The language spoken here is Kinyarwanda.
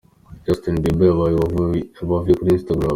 Justin Bieber yabaye avuye kuri Instagram.